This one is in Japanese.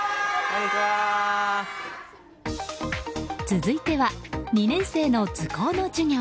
続いては、２年生の図工の授業。